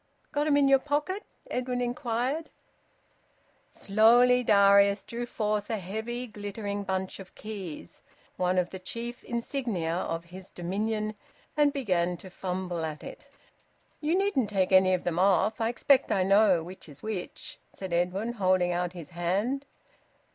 "Got 'em in your pocket?" Edwin inquired. Slowly Darius drew forth a heavy, glittering bunch of keys, one of the chief insignia of his dominion, and began to fumble at it. "You needn't take any of them off. I expect I know which is which," said Edwin, holding out his hand.